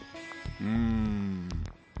うん。